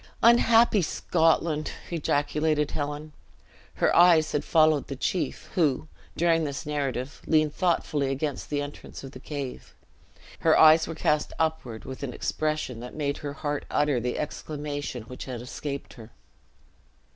"Unhappy Scotland!" ejaculated Helen. Her eyes had followed the chief, who, during this narrative, leaned thoughtfully against the entrance of the cave. His eyes were cast upward with an expression that made her heart utter the exclamation which had escaped her.